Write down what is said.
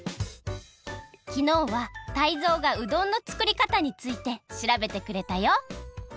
きのうはタイゾウがうどんの作りかたについてしらべてくれたよ。